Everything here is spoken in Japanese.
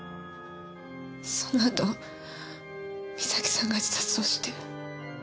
そのあと美咲さんが自殺をして。